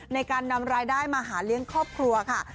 ในการนำรายได้มาหาเลี้ยงครอบครัวค่ะ